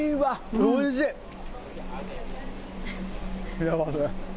幸せ。